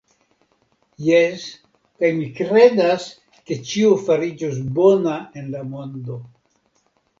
Jes, kaj mi kredas, ke ĉio fariĝos bona en la mondo.